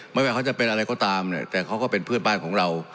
ไม่ว่าเขาจะเป็นอะไรก็ตามเนี่ยแต่เขาก็เป็นเพื่อนบ้านของเรา